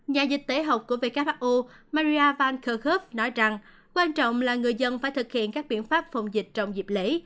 nhà dịch tế học của who maria vankerkerb nói rằng quan trọng là người dân phải thực hiện các biện pháp phòng dịch trong dịp lễ